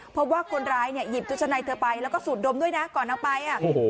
พบว่าคนร้ายเนี่ยหยิบชุดชะในเธอไปแล้วก็สูดดมด้วยนะก่อนเอาไป